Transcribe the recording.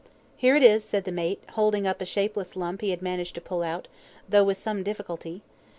"Here it is," said the mate, holding up a shapeless lump he had managed to pull out, though with some difficulty.